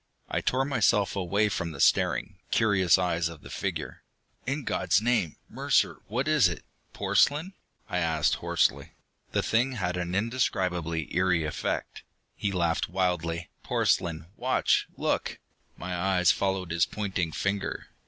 I tore myself away from the staring, curious eyes of the figure. "In God's name, Mercer, what is it? Porcelain?" I asked hoarsely. The thing had an indescribably eery effect. He laughed wildly. "Porcelain? Watch ... look!" My eyes followed his pointing finger.